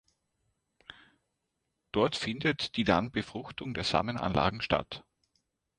Dort findet die dann Befruchtung der Samenanlagen statt.